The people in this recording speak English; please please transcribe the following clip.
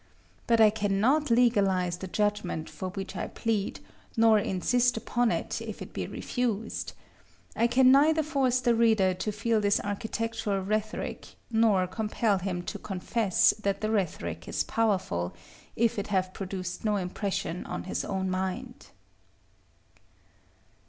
But I cannot legalize the judgment for which I plead, nor insist upon it if it be refused. I can neither force the reader to feel this architectural rhetoric, nor compel him to confess that the rhetoric is powerful, if it have produced no impression on his own mind.